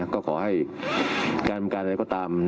ก็ขอให้การดำเนินการใดก็ตาม